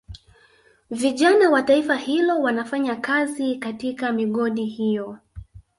Vijana wa taifa hilo wanafanya kazi katika migodi hiyo